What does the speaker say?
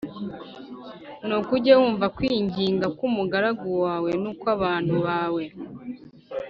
nuko ujye wumva kwinginga k’umugaragu wawe n’ukw’abantu bawe